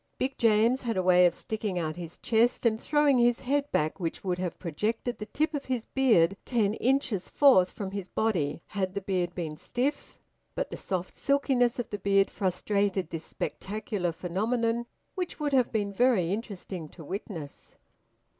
Big James had a way of sticking out his chest and throwing his head back which would have projected the tip of his beard ten inches forth from his body, had the beard been stiff; but the soft silkiness of the beard frustrated this spectacular phenomenon, which would have been very interesting to witness.